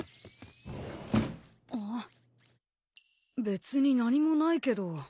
別に何もないけど。